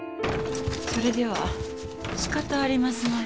それではしかたありますまい。